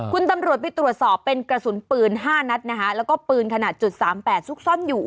คุณตำรวจไปตรวจสอบเป็นกระสุนปืน๕นัดนะคะแล้วก็ปืนขนาดจุดสามแปดซุกซ่อนอยู่